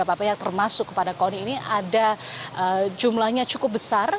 apa pihak termasuk kepada koni ini ada jumlahnya cukup besar